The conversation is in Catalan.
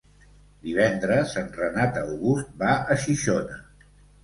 Divendres en Renat August va a Xixona.